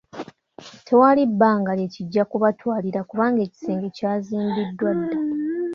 Tewali bbanga lye kijja kubatwalira kubanga ekisenge ky'azimbidddwa dda.